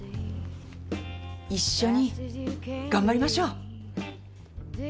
一緒に頑張りましょう。